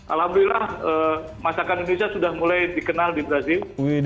alhamdulillah masakan indonesia sudah mulai dikenal di brazil